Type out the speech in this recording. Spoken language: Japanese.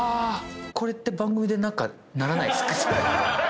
これって番組で何かならないっすか？